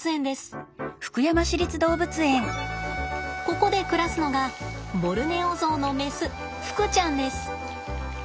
ここで暮らすのがボルネオゾウのメスふくちゃんです。